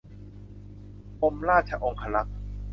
กรมราชองครักษ์